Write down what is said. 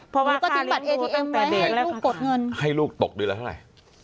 เพราะว่าหนูก็ทิ้งบัตรเอทีเอ็มไว้ให้ลูกกดเงินให้ลูกตกด้วยแล้วเท่าไร